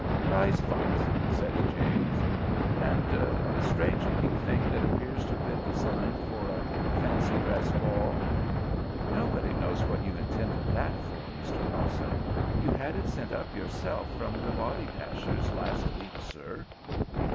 "Prize fights," said James. "And the strange looking thing that appears to have been designed for a fancy dress ball?" "Nobody knows what you intended that for, Mr. Dawson. You had it sent up yourself from the bodydasher's last week, sir."